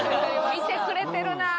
見てくれてるなあ。